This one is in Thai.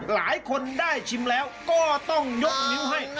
หลายคนได้ชิมแล้วก็ต้องยกนิ้วให้